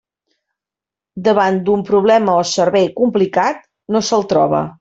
Davant d'un problema o un servei complicat, no se'l troba.